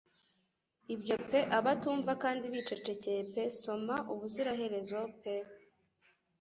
Ibyo pe abatumva kandi bicecekeye pe soma 'ubuziraherezo pe